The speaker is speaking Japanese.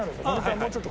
もうちょっと。